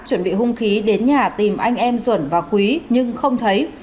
chuẩn bị hung khí đến nhà tìm anh em duẩn và quý nhưng không thấy